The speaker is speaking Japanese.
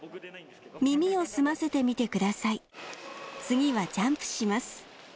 「耳を澄ませてみてください」「次はジャンプします」